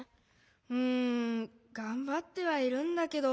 うんがんばってはいるんだけど。